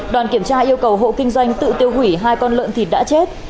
đoàn kiểm tra yêu cầu hộ kinh doanh tự tiêu hủy hai con lợn thịt đã chết